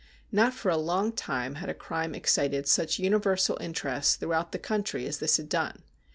Not for a long time had a crime ex cited such universal interest throughout the country as this had done.